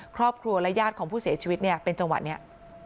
ครอบครัวและญาติของผู้เสียชีวิตเนี่ยเป็นจังหวะนี้